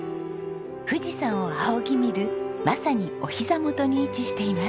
富士山を仰ぎ見るまさにお膝元に位置しています。